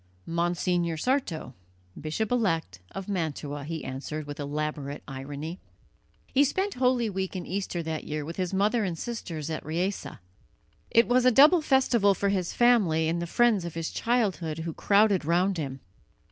"Monsignor Sarto, Bishop elect of Mantua," he answered with elaborate irony. He spent Holy Week and Easter that year with his mother and sisters at Riese. It was a double festival for his family and the friends of his childhood who crowded round him.